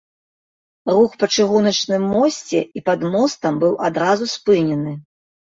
Рух па чыгуначным мосце і пад мостам быў адразу спынены.